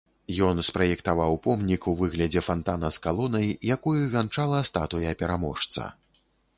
Ён спраектаваў помнік у выглядзе фантана з калонай, якую вянчала статуя пераможца.